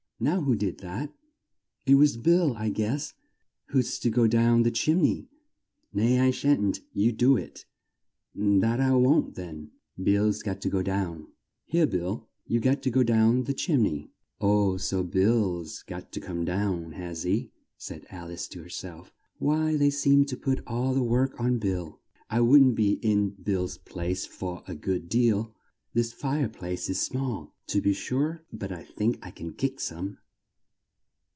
Now who did that? It was Bill, I guess Who's to go down the chim ney? Nay, I shan't! You do it! That I won't then! Bill's got to go down Here, Bill, you've got to go down the chim ney!" "Oh, so Bill's got to come down, has he?" said Al ice to her self. "Why, they seem to put all the work on Bill. I wouldn't be in Bill's place for a good deal; this fire place is small, to be sure, but I think I can kick some."